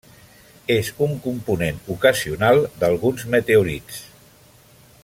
És un component ocasional d'alguns meteorits.